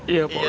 iya pak ustad